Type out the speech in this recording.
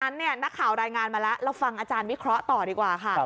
นักข่าวรายงานมาแล้วเราฟังอาจารย์วิเคราะห์ต่อดีกว่าค่ะ